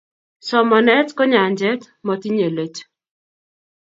Somanet ko nyanjet motinyei let